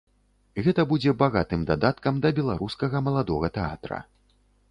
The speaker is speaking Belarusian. Гэта будзе багатым дадаткам да беларускага маладога тэатра.